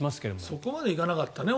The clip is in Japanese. そこまで行かなかったね